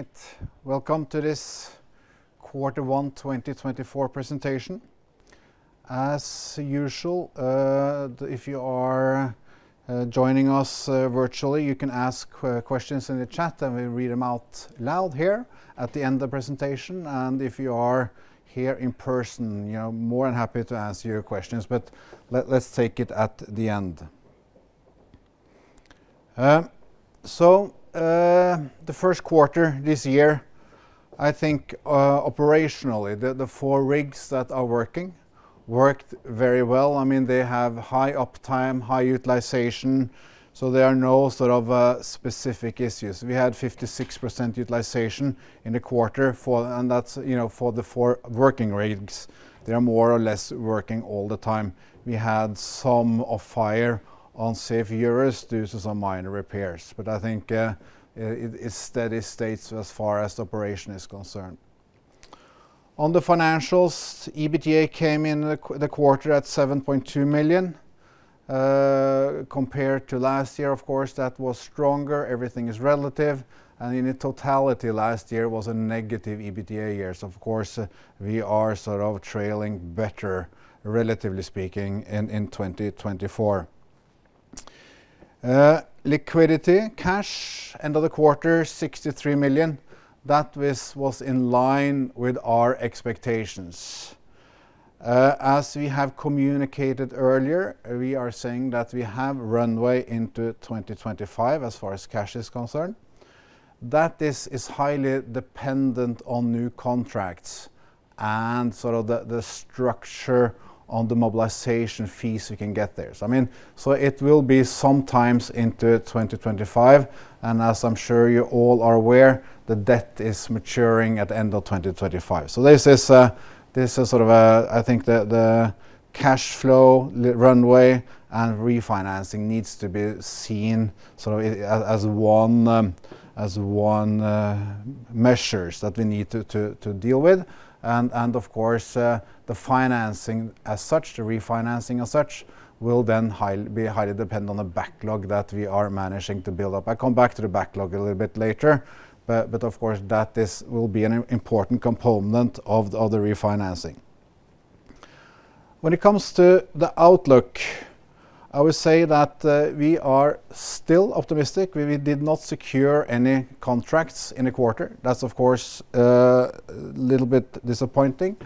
All right, welcome to this quarter one, 2024 presentation. As usual, if you are joining us virtually, you can ask questions in the chat, and we read them out loud here at the end of the presentation, and if you are here in person, you know, more than happy to answer your questions. But let's take it at the end. So, the first quarter this year, I think, operationally, the four rigs that are working worked very well. I mean, they have high uptime, high utilization, so there are no sort of specific issues. We had 56% utilization in the quarter for-- and that's, you know, for the four working rigs. They are more or less working all the time. We had some offhire on Safe Eurus due to some minor repairs, but I think, it, it's steady state as far as the operation is concerned. On the financials, EBITDA came in the quarter at $7.2 million, compared to last year, of course, that was stronger. Everything is relative, and in its totality, last year was a negative EBITDA year. So, of course, we are sort of trailing better, relatively speaking, in 2024. Liquidity, cash, end of the quarter, $63 million. That was in line with our expectations. As we have communicated earlier, we are saying that we have runway into 2025, as far as cash is concerned. That is highly dependent on new contracts and sort of the structure on the mobilization fees we can get there. So I mean, it will be sometimes into 2025, and as I'm sure you all are aware, the debt is maturing at the end of 2025. So this is sort of, I think the cash flow, runway, and refinancing needs to be seen sort of as one measure that we need to deal with. And of course, the financing as such, the refinancing as such, will then be highly dependent on the backlog that we are managing to build up. I come back to the backlog a little bit later, but of course, that this will be an important component of the refinancing. When it comes to the outlook, I would say that we are still optimistic. We did not secure any contracts in the quarter. That's of course a little bit disappointing.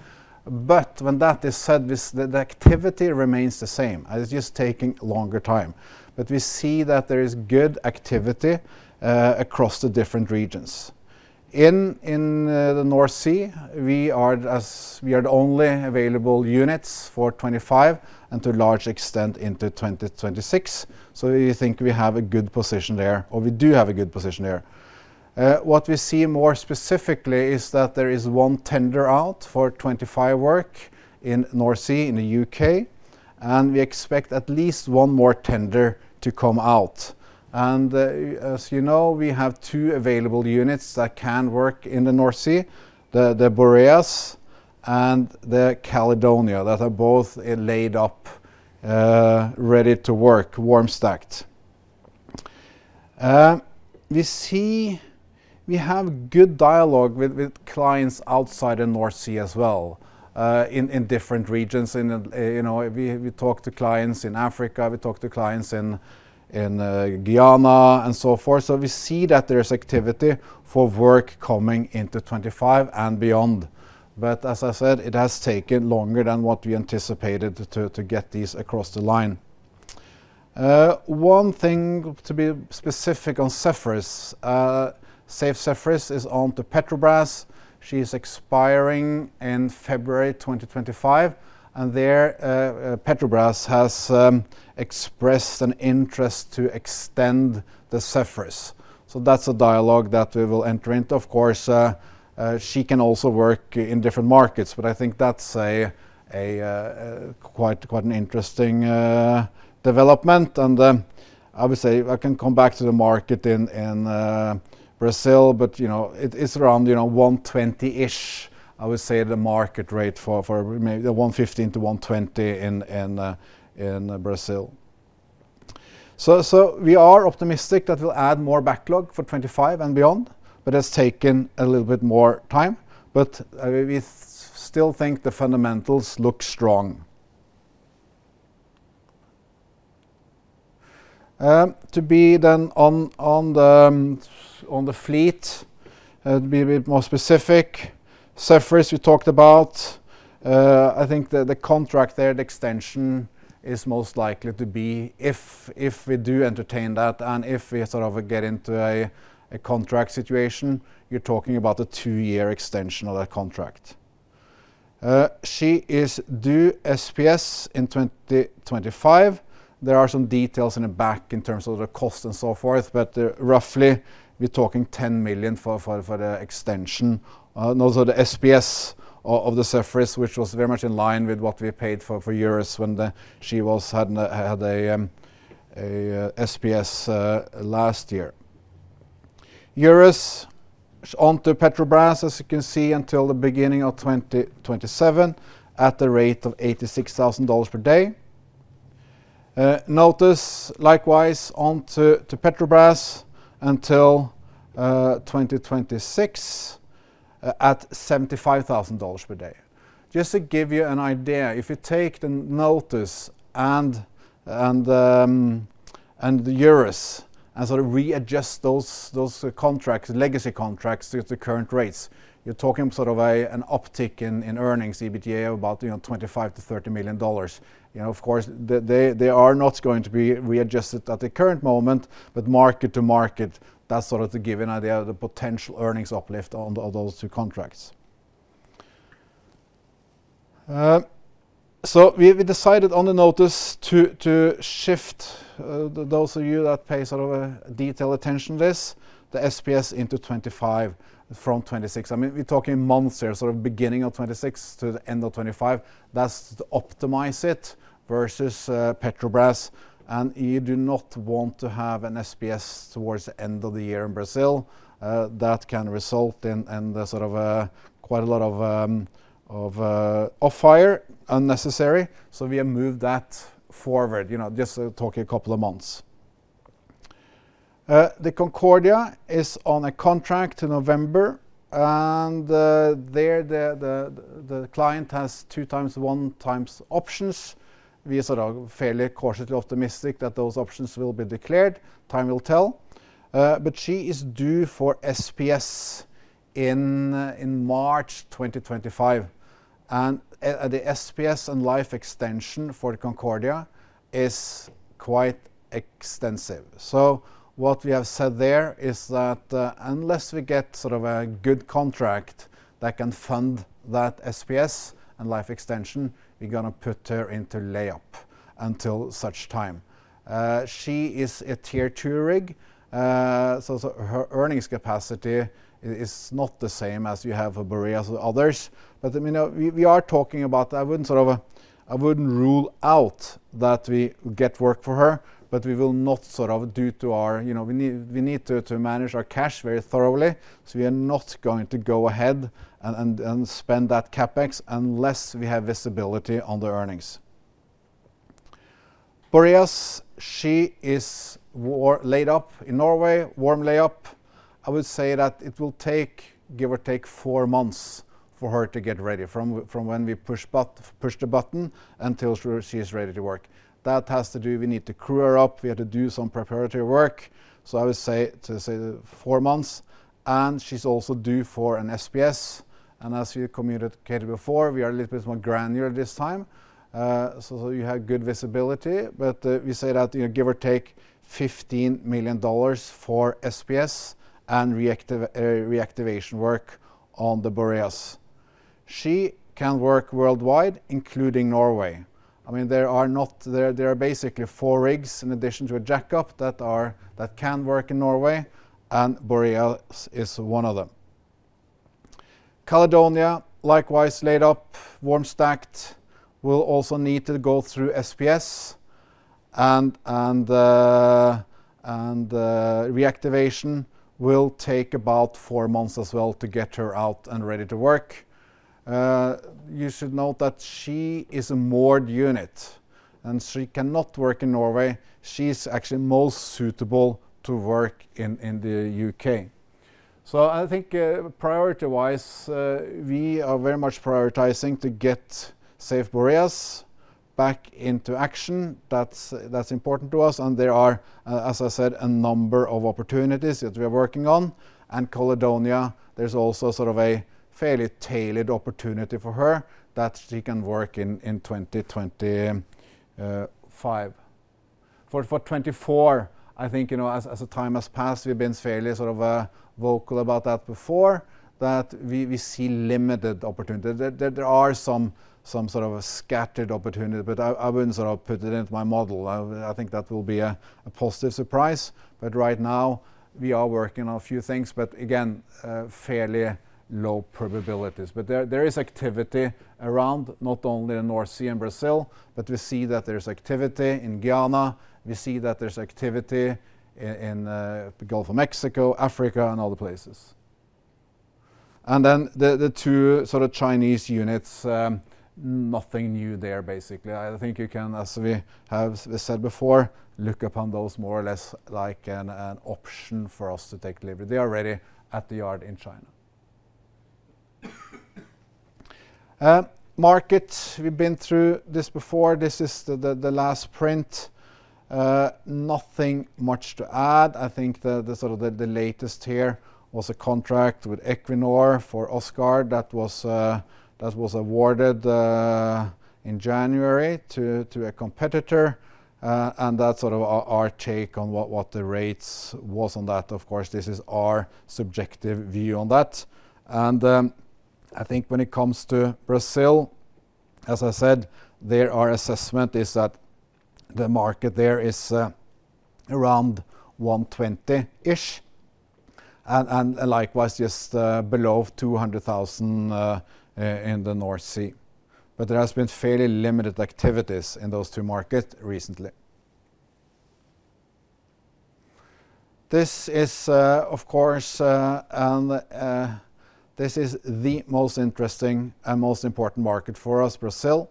But when that is said, the activity remains the same, and it's just taking longer time. But we see that there is good activity across the different regions. In the North Sea, we are the only available units for 25, and to a large extent, into 2026, so we think we have a good position there, or we do have a good position there. What we see more specifically is that there is one tender out for 25 work in North Sea, in the U.K., and we expect at least one more tender to come out. And, as you know, we have two available units that can work in the North Sea, the Boreas and the Caledonia, that are both laid up, ready to work, warm stacked. We see we have good dialogue with clients outside the North Sea as well, in different regions. You know, we talk to clients in Africa, we talk to clients in Guyana, and so forth. So we see that there's activity for work coming into 2025 and beyond. But as I said, it has taken longer than what we anticipated to get these across the line. One thing to be specific on Zephyrus, Safe Zephyrus is onto Petrobras. She's expiring in February 2025, and Petrobras has expressed an interest to extend the Zephyrus. So that's a dialogue that we will enter into. Of course, she can also work in different markets, but I think that's a quite an interesting development. Obviously, I can come back to the market in Brazil, but, you know, it is around, you know, 120-ish, I would say the market rate for maybe $115-$120 in Brazil. So we are optimistic that we'll add more backlog for 2025 and beyond, but it's taken a little bit more time, but we still think the fundamentals look strong. To be then on the fleet, to be a bit more specific, Zephyrus, we talked about. I think the contract there, the extension, is most likely to be... if we do entertain that, and if we sort of get into a contract situation, you're talking about a two-year extension of that contract. She is due SPS in 2025. There are some details in the back in terms of the cost and so forth, but roughly, we're talking $10 million for the extension. Those are the SPS of the Zephyrus, which was very much in line with what we paid for years when she had a SPS last year. Eurus onto Petrobras, as you can see, until the beginning of 2027, at the rate of $86,000 per day. Notus likewise onto Petrobras until 2026, at $75,000 per day. Just to give you an idea, if you take the Notus and the Eurus, and sort of readjust those contracts, legacy contracts to the current rates, you're talking sort of an uptick in earnings, EBITDA, about, you know, $25-$30 million. You know, of course, they are not going to be readjusted at the current moment, but market to market, that's sort of to give an idea of the potential earnings uplift on those two contracts. So we decided on the Notus to shift, those of you that pay sort of a detailed attention to this, the SPS into 2025 from 2026. I mean, we're talking months here, sort of beginning of 2026 to the end of 2025. That's to optimize it versus Petrobras, and you do not want to have an SPS towards the end of the year in Brazil. That can result in the sort of a quite a lot of off hire unnecessary, so we have moved that forward, you know, just talking a couple of months. The Concordia is on a contract to November, and there the client has two times, one times options. We are sort of fairly cautiously optimistic that those options will be declared. Time will tell. But she is due for SPS in March 2025, and the SPS and life extension for the Concordia is quite extensive. So what we have said there is that, unless we get sort of a good contract that can fund that SPS and life extension, we're gonna put her into lay up until such time. She is a Tier Two rig, so her earnings capacity is not the same as you have a Boreas or others. But, I mean, we are talking about I wouldn't sort of a... I wouldn't rule out that we get work for her, but we will not, due to our, you know, we need to manage our cash very thoroughly. So we are not going to go ahead and spend that CapEx unless we have visibility on the earnings. Boreas, she is warm laid up in Norway, warm lay-up. I would say that it will take, give or take, four months for her to get ready, from when we push the button until she is ready to work. That has to do... We need to crew her up. We have to do some preparatory work. So I would say, to say four months, and she's also due for an SPS. And as we communicated before, we are a little bit more granular this time, so you have good visibility. But we say that, you know, give or take, $15 million for SPS and reactivation work on the Boreas. She can work worldwide, including Norway. I mean, there are basically four rigs, in addition to a jackup, that can work in Norway, and Boreas is one of them. Caledonia, likewise, laid up, warm stacked, will also need to go through SPS, and reactivation will take about four months as well to get her out and ready to work. You should note that she is a moored unit, and she cannot work in Norway. She's actually most suitable to work in the U.K. So I think, priority-wise, we are very much prioritizing to get Safe Boreas back into action. That's, that's important to us, and there are, as I said, a number of opportunities that we are working on. And Caledonia, there's also sort of a fairly tailored opportunity for her that she can work in, in 2025. For 2024, I think, you know, as the time has passed, we've been fairly sort of, vocal about that before, that we see limited opportunity. There are some sort of a scattered opportunity, but I wouldn't sort of put it into my model. I think that will be a positive surprise. But right now, we are working on a few things, but again, fairly low probabilities. But there is activity around not only in North Sea and Brazil, but we see that there's activity in Guyana. We see that there's activity in the Gulf of Mexico, Africa, and other places. And then the two sort of Chinese units, nothing new there, basically. I think you can, as we have said before, look upon those more or less like an option for us to take delivery. They are already at the yard in China. Market, we've been through this before. This is the last print. Nothing much to add. I think the sort of the latest here was a contract with Equinor for Asgard that was awarded in January to a competitor, and that's sort of our take on what the rates was on that. Of course, this is our subjective view on that. I think when it comes to Brazil, as I said, there, our assessment is that the market there is around $120,000-ish, and likewise, just below $200,000 in the North Sea. But there has been fairly limited activities in those two markets recently. This is, of course, this is the most interesting and most important market for us, Brazil.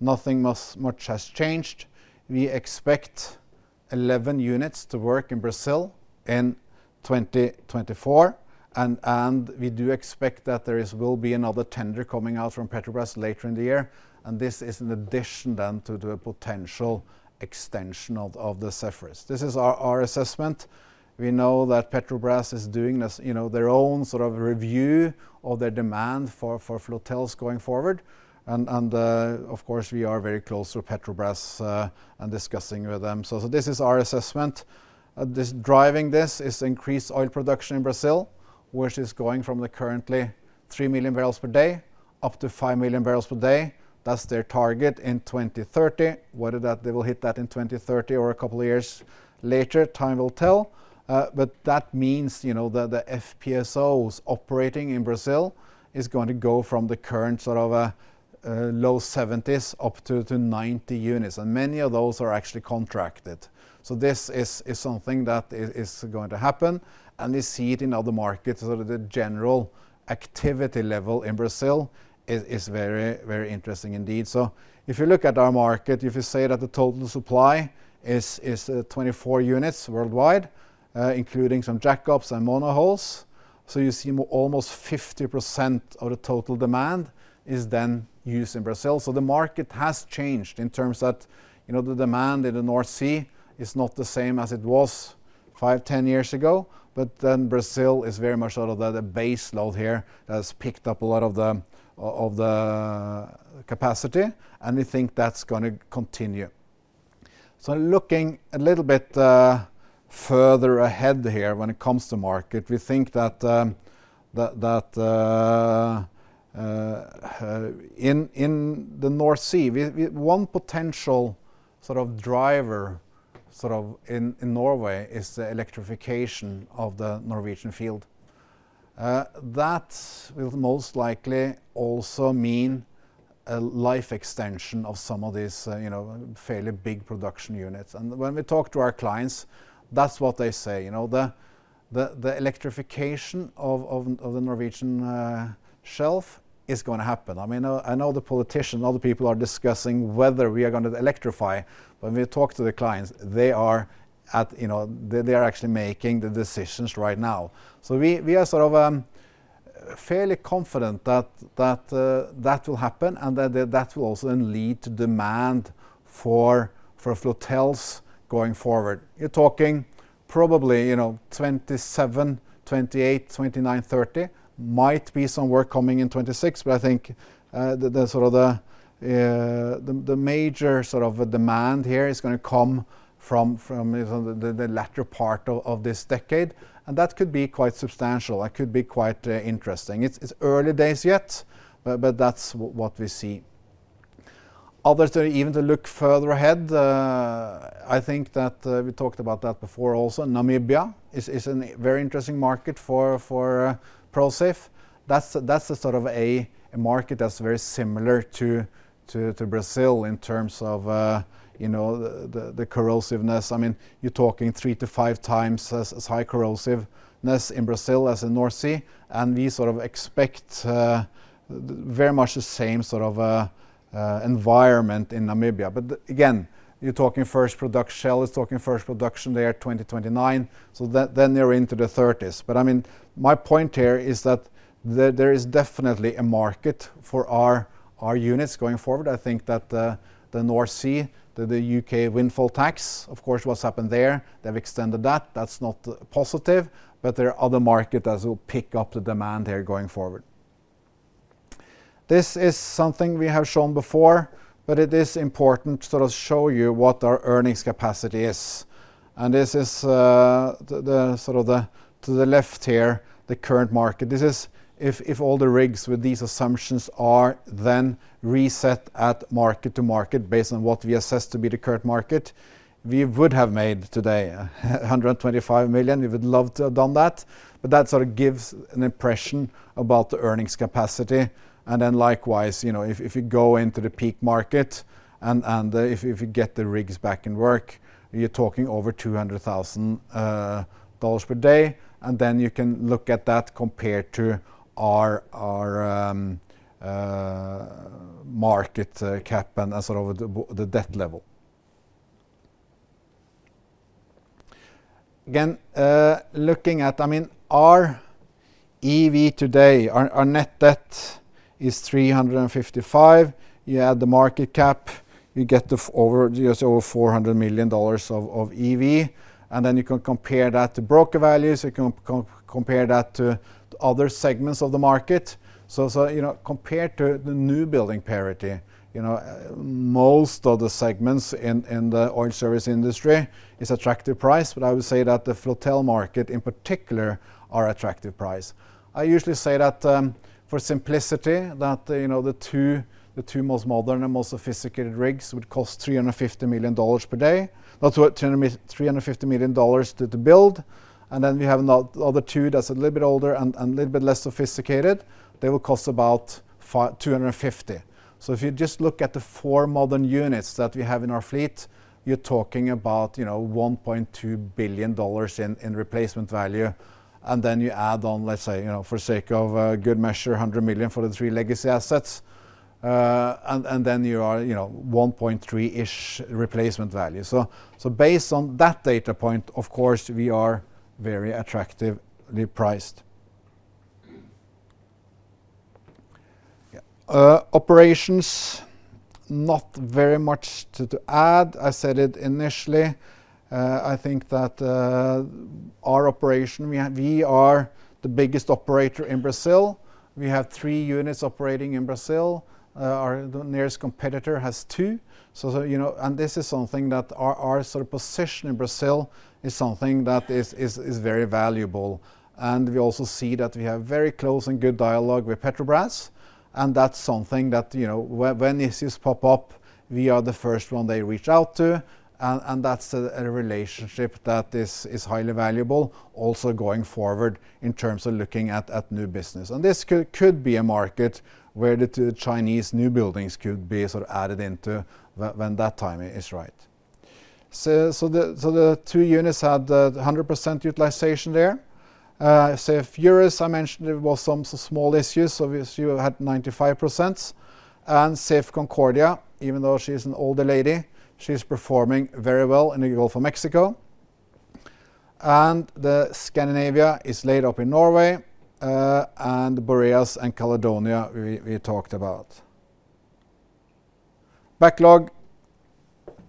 Nothing much has changed. We expect 11 units to work in Brazil in 2024, and we do expect that there will be another tender coming out from Petrobras later in the year, and this is an addition then to a potential extension of the Zephyrus. This is our assessment. We know that Petrobras is doing this, you know, their own sort of review of their demand for flotels going forward, and of course, we are very close to Petrobras and discussing with them. So this is our assessment. This driving this is increased oil production in Brazil, which is going from the currently 3 million barrels per day, up to 5 million barrels per day. That's their target in 2030. Whether that they will hit that in 2030 or a couple of years later, time will tell. But that means, you know, the FPSOs operating in Brazil is going to go from the current sort of low 70s up to 90 units, and many of those are actually contracted. So this is something that is going to happen, and we see it in other markets. Sort of the general activity level in Brazil is very, very interesting indeed. So if you look at our market, if you say that the total supply is 24 units worldwide, including some jackups and monohulls, so you see almost 50% of the total demand is then used in Brazil. So the market has changed in terms that, you know, the demand in the North Sea is not the same as it was five, 10 years ago, but then Brazil is very much out of the base load here, has picked up a lot of the capacity, and we think that's gonna continue. Looking a little bit further ahead here when it comes to market, we think that in the North Sea, one potential sort of driver sort of in Norway is the electrification of the Norwegian field. That will most likely also mean a life extension of some of these, you know, fairly big production units. And when we talk to our clients, that's what they say. You know, the electrification of the Norwegian shelf is gonna happen. I mean, I know the politicians and other people are discussing whether we are going to electrify. When we talk to the clients, they are at, you know, they are actually making the decisions right now. So we are sort of fairly confident that that will happen and that will also then lead to demand for flotels going forward. You're talking probably, you know, 2027, 2028, 2029, 2030. Might be some work coming in 2026, but I think the major sort of demand here is gonna come from the latter part of this decade, and that could be quite substantial. That could be quite interesting. It's early days yet, but that's what we see. Others say even to look further ahead, I think that we talked about that before also. Namibia is a very interesting market for Prosafe. That's a sort of market that's very similar to Brazil in terms of, you know, the corrosiveness. I mean, you're talking 3-5 times as high corrosiveness in Brazil as in North Sea, and we sort of expect very much the same sort of environment in Namibia. But again, you're talking first production. Shell is talking first production there, 2029, so then they're into the 2030s. But, I mean, my point here is that there is definitely a market for our units going forward. I think that the North Sea, the UK windfall tax, of course, what's happened there, they've extended that. That's not positive, but there are other markets that will pick up the demand there going forward. This is something we have shown before, but it is important to sort of show you what our earnings capacity is. And this is the sort of, to the left here, the current market. This is if all the rigs with these assumptions are then reset at market to market based on what we assess to be the current market, we would have made today $125 million. We would love to have done that, but that sort of gives an impression about the earnings capacity. And then likewise, you know, if you go into the peak market and if you get the rigs back in work, you're talking over $200,000 per day, and then you can look at that compared to our market cap and sort of the debt level. Again, looking at, I mean, our EV today, our net debt is $355 million. You add the market cap, you get just over $400 million of EV, and then you can compare that to broker values. You can compare that to other segments of the market. So, you know, compared to the new building parity, you know, most of the segments in the oil service industry is attractive price, but I would say that the flotel market, in particular, are attractive price. I usually say that, for simplicity, that, you know, the two most modern and most sophisticated rigs would cost $350 million per day. That's what, $300 million-$350 million to build, and then we have an- the other two that's a little bit older and, and a little bit less sophisticated, they will cost about $250 million. So if you just look at the four modern units that we have in our fleet, you're talking about, you know, $1.2 billion in replacement value, and then you add on, let's say, you know, for sake of a good measure, $100 million for the three legacy assets, and then you are, you know, $1.3 billion-ish replacement value. So based on that data point, of course, we are very attractively priced. Yeah. Operations, not very much to add. I said it initially, I think that our operation, we have- we are the biggest operator in Brazil. We have three units operating in Brazil. Our nearest competitor has two, so you know. And this is something that our sort of position in Brazil is something that is very valuable. And we also see that we have very close and good dialogue with Petrobras, and that's something that, you know, when issues pop up, we are the first one they reach out to, and that's a relationship that is highly valuable, also going forward in terms of looking at new business. And this could be a market where the two Chinese new buildings could be sort of added into when that timing is right. So the two units had 100% utilization there. Safe Eurus, I mentioned, there was some small issues, obviously, we had 95%. Safe Concordia, even though she's an older lady, she's performing very well in the Gulf of Mexico. The Scandinavia is laid up in Norway, and Boreas and Caledonia, we talked about. Backlog,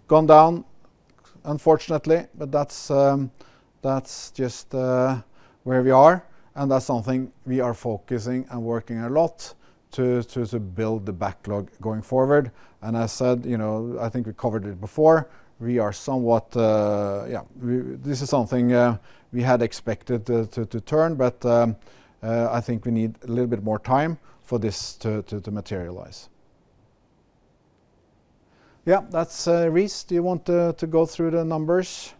gone down, unfortunately, but that's just where we are, and that's something we are focusing and working a lot to build the backlog going forward. I said, you know, I think we covered it before, we are somewhat yeah, this is something we had expected to turn, but I think we need a little bit more time for this to materialize. Yeah, that's Reese, do you want to go through the numbers?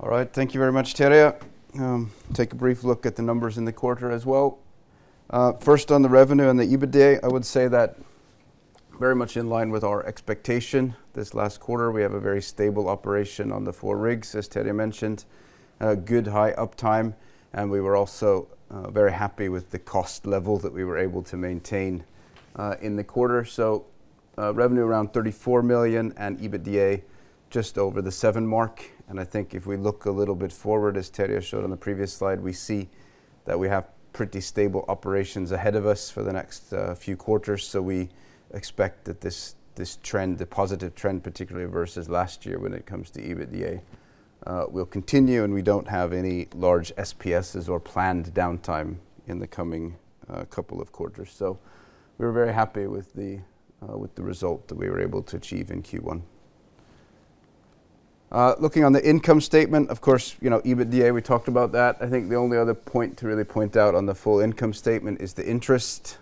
All right. Thank you very much, Terje. Take a brief look at the numbers in the quarter as well. First, on the revenue and the EBITDA, I would say that very much in line with our expectation. This last quarter, we have a very stable operation on the four rigs, as Terje mentioned. Good high uptime, and we were also very happy with the cost level that we were able to maintain in the quarter. So, revenue around $34 million, and EBITDA just over the $7 million mark. And I think if we look a little bit forward, as Terje showed on the previous slide, we see that we have pretty stable operations ahead of us for the next few quarters. So we expect that this, this trend, the positive trend, particularly versus last year, when it comes to EBITDA, will continue, and we don't have any large SPSs or planned downtime in the coming couple of quarters. So we're very happy with the result that we were able to achieve in Q1. Looking on the income statement, of course, you know, EBITDA, we talked about that. I think the only other point to really point out on the full income statement is the interest.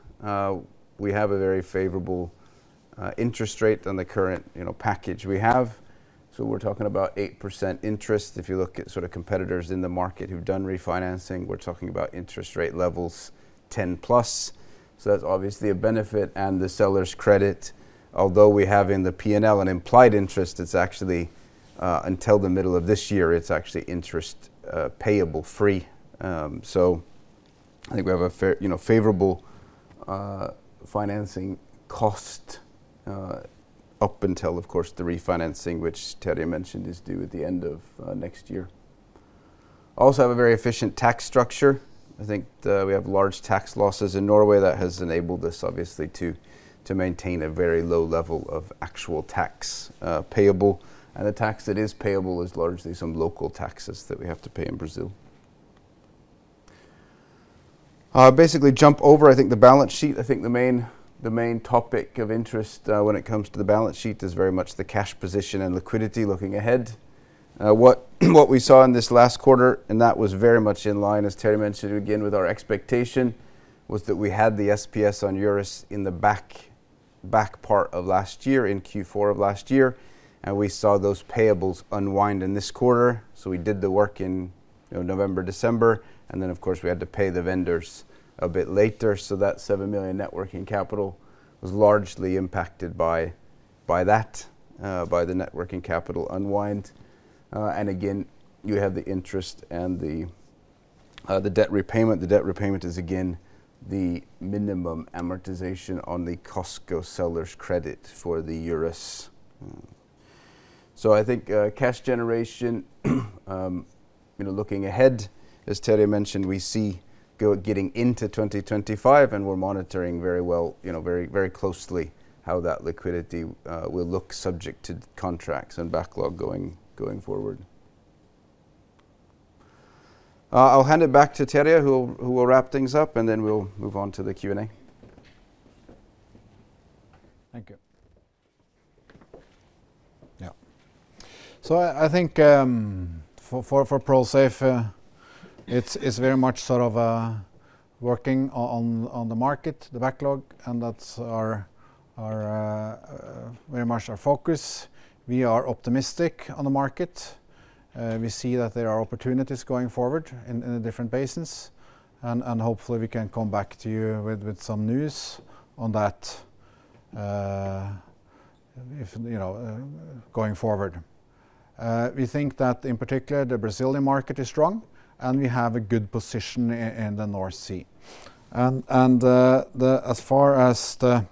We have a very favorable interest rate on the current, you know, package we have. So we're talking about 8% interest. If you look at sort of competitors in the market who've done refinancing, we're talking about interest rate levels 10+. So that's obviously a benefit and the seller's credit. Although we have in the P&L an implied interest, it's actually, until the middle of this year, it's actually interest, payable-free. So I think we have a fair, you know, favorable, financing cost, up until, of course, the refinancing, which Terje mentioned, is due at the end of, next year. Also, have a very efficient tax structure. I think, we have large tax losses in Norway that has enabled us, obviously, to maintain a very low level of actual tax, payable. And the tax that is payable is largely some local taxes that we have to pay in Brazil. Basically jump over, I think, the balance sheet. I think the main topic of interest, when it comes to the balance sheet is very much the cash position and liquidity looking ahead. What we saw in this last quarter, and that was very much in line, as Terje mentioned, again, with our expectation, was that we had the SPS on Eurus in the back part of last year, in Q4 of last year, and we saw those payables unwind in this quarter. So we did the work in, you know, November, December, and then, of course, we had to pay the vendors a bit later. So that $7 million net working capital was largely impacted by that, by the net working capital unwind. And again, you have the interest and the, the debt repayment. The debt repayment is, again, the minimum amortization on the COSCO seller's credit for the Eurus. I think, cash generation, you know, looking ahead, as Terje mentioned, we see getting into 2025, and we're monitoring very well, you know, very, very closely how that liquidity will look subject to contracts and backlog going forward. I'll hand it back to Terje, who will wrap things up, and then we'll move on to the Q&A. Thank you. Yeah. So I think for Prosafe, it's very much sort of working on the market, the backlog, and that's very much our focus. We are optimistic on the market. We see that there are opportunities going forward in the different basins, and hopefully, we can come back to you with some news on that, if you know, going forward. We think that in particular, the Brazilian market is strong, and we have a good position in the North Sea. As far as the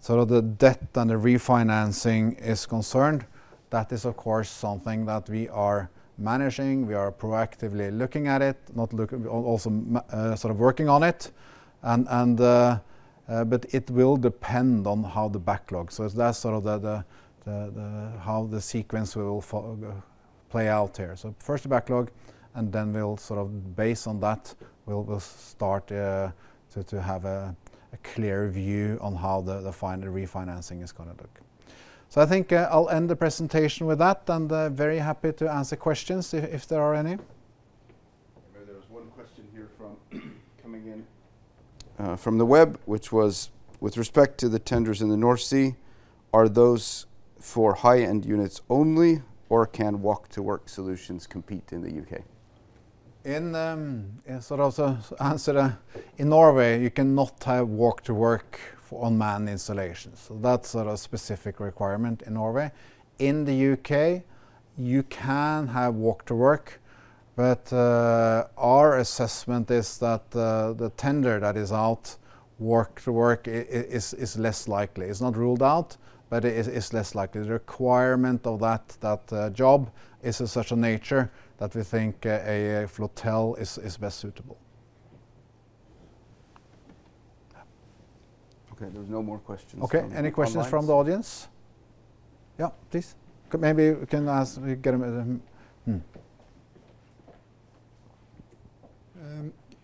sort of the debt and the refinancing is concerned, that is, of course, something that we are managing. We are proactively looking at it, also sort of working on it, but it will depend on how the backlog. So that's sort of how the sequence will play out here. So first the backlog, and then we'll sort of base on that, we'll start to have a clear view on how the final refinancing is gonna look. So I think I'll end the presentation with that, and very happy to answer questions if there are any. There was one question here from coming in, from the web, which was, "With respect to the tenders in the North Sea, are those for high-end units only, or can walk-to-work solutions compete in the U.K.? Yeah, sort of, answer: in Norway, you cannot have Walk-to-Work for unmanned installations, so that's sort of a specific requirement in Norway. In the UK, you can have Walk-to-Work, but our assessment is that the tender that is out, Walk-to-Work is less likely. It's not ruled out, but it is less likely. The requirement of that job is of such a nature that we think a Flotel is best suitable. Okay, there's no more questions from online. Okay. Any questions from the audience? Yeah, please. Maybe we can ask, we get a.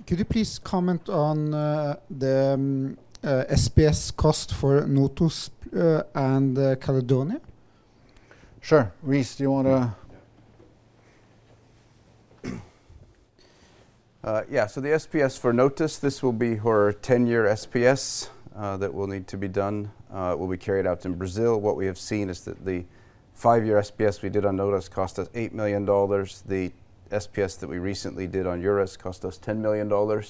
Could you please comment on the SPS cost for Notus and Caledonia? Sure. Reese, do you wanna- Yeah. Yeah, so the SPS for Notus, this will be her 10-year SPS, that will need to be done, will be carried out in Brazil. What we have seen is that the 5-year SPS we did on Notus cost us $8 million. The SPS that we recently did on Eurus cost us $10 million, and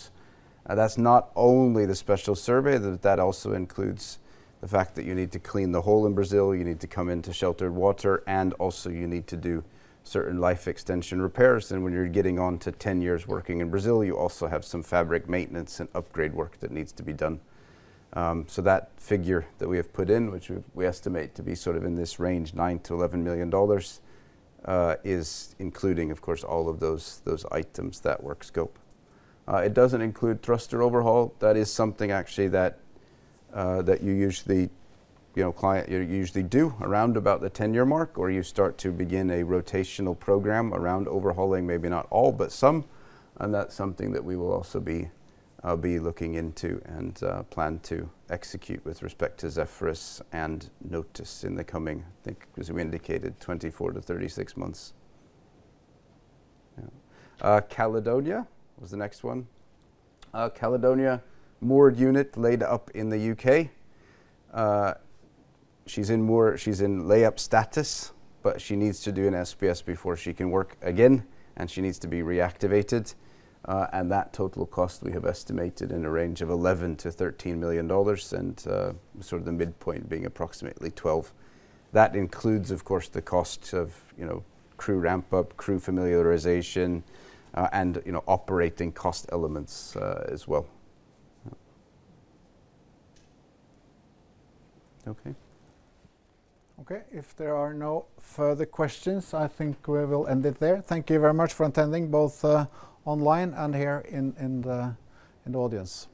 that's not only the special survey, that also includes the fact that you need to clean the hull in Brazil, you need to come in to sheltered water, and also you need to do certain life extension repairs. And when you're getting on to 10 years working in Brazil, you also have some fabric maintenance and upgrade work that needs to be done. So that figure that we have put in, which we estimate to be sort of in this range, $9 million-$11 million, is including, of course, all of those items, that work scope. It doesn't include thruster overhaul. That is something actually that you usually, you know, client- you usually do around about the 10-year mark, or you start to begin a rotational program around overhauling, maybe not all, but some, and that's something that we will also be looking into and plan to execute with respect to Zephyrus and Notus in the coming, I think, as we indicated, 24-36 months. Yeah. Caledonia was the next one. Caledonia, moored unit laid up in the UK. She's in moor... She's in lay-up status, but she needs to do an SPS before she can work again, and she needs to be reactivated. And that total cost, we have estimated in a range of $11 million-$13 million, and sort of the midpoint being approximately $12 million. That includes, of course, the costs of, you know, crew ramp-up, crew familiarization, and, you know, operating cost elements, as well. Yeah. Okay. Okay. If there are no further questions, I think we will end it there. Thank you very much for attending, both online and here in the audience. Thank you.